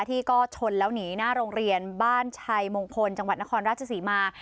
ที่ก็ชนแล้วหนีหน้าโรงเรียนบ้านชัยมงคลจังหวัดนครราชศรีมา